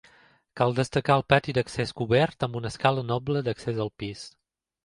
Cal destacar el pati d'accés cobert, amb una escala noble d'accés al pis.